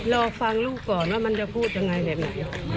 รอฟังลูกก่อนว่ามันจะพูดยังไงแบบนี้